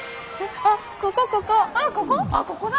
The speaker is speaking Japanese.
あっここだ！